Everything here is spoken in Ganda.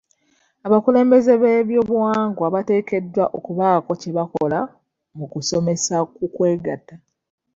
Abakulembeze b'ebyobuwangwa bateekeddwa okubaako kye bakola mu kusomesa ku kwegatta.